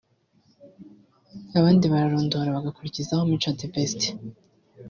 abandi bararondora bagakurikizaho Mico The Best